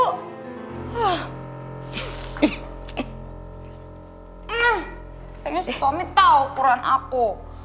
kayaknya tommy tau ukuran aku